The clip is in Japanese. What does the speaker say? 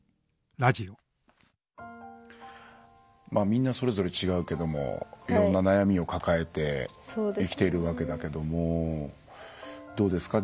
みんなそれぞれ違うけどもいろんな悩みを抱えて生きているわけだけどもどうですか？